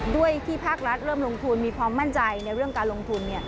ด้วยที่ภาครัฐเริ่มลงทุนมีความมั่นใจในเรื่องการลงทุน